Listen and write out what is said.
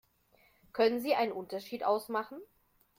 Können Sie einen Unterschied ausmachen?